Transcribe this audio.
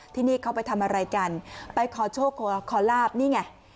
ที่นี่เขาไปทำอะไรกันไปขอโชคขอลาบนี่ไง